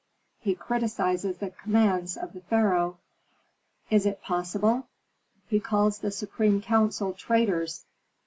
"He criticises the commands of the pharaoh." "Is it possible?" "He calls the supreme council traitors."